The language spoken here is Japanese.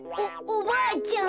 おばあちゃん？